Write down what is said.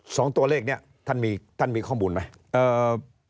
สองตัวเลขเนี่ยท่านมีข้อมูลไหม